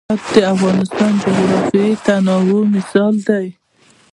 هرات د افغانستان د جغرافیوي تنوع مثال دی.